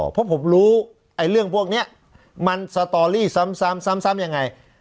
เพราะผมรู้ไอ้เรื่องพวกเนี้ยมันสตอรี่ซ้ำซ้ำซ้ำซ้ำยังไง